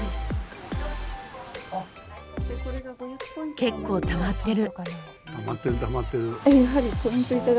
結構たまってる。